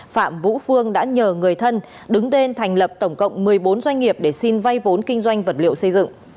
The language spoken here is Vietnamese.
phạm vũ phương đã nhờ người thân đứng tên thành lập tổng cộng một mươi bốn doanh nghiệp để xin vay vốn kinh doanh vật liệu xây dựng